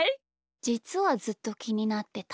じつはずっときになってた。